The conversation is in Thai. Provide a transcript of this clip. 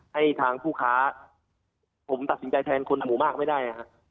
ให้ทางผู้ค้าผมตัดสินใจแทนคนหมู่มากไม่ได้